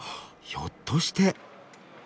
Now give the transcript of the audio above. ひょっとして！？